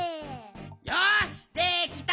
よしできた！